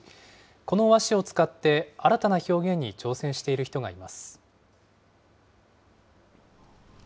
この和紙を使って新たな表現に挑戦している人がいます。